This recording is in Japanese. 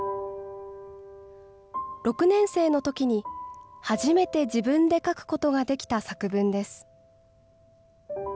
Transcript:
６年生のときに、初めて自分で書くことができた作文です。